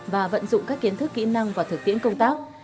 và vận dụng các kiến thức kỹ năng và thực tiễn công tác